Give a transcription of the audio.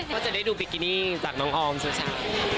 ก็จะได้ดูบิกินี่จากน้องออมสุชา